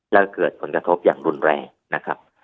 และเกิดผลกระทบอย่างรุนแรงนะครับ